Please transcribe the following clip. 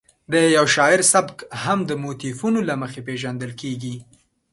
د یو شاعر سبک هم د موتیفونو له مخې پېژندل کېږي.